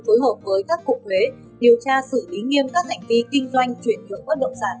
phối hợp với các cục thuế điều tra xử lý nghiêm các hành vi kinh doanh chuyển nhượng bất động sản